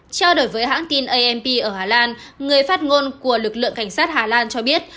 trao đổi với hãng tin amp ở hà lan người phát ngôn của lực lượng cảnh sát hà lan cho biết